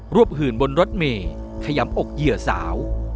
หื่นบนรถเมย์ขยำอกเหยื่อสาว